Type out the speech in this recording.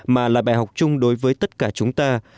mà là bài học chung đối với tất cả chúng ta